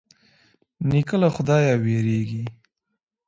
نیکه له خدايه وېرېږي.